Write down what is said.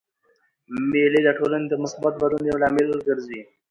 مېلې د ټولني د مثبت بدلون یو لامل ګرځي.